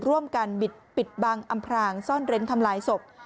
บิดปิดบังอำพรางซ่อนเร้นทำลายศพ